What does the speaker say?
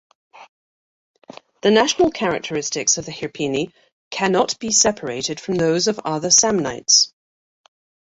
The national characteristics of the Hirpini cannot be separated from those of other Samnites.